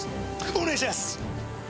お願いします！